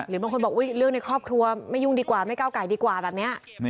บางคนบอกเรื่องในครอบครัวไม่ยุ่งดีกว่าไม่ก้าวไก่ดีกว่าแบบนี้